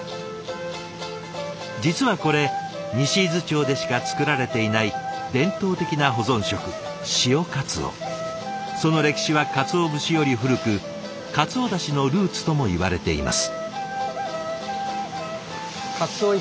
実はこれ西伊豆町でしか作られていない伝統的な保存食その歴史は鰹節より古く鰹だしのルーツともいわれています。